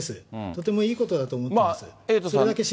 とてもいいことだと思っています。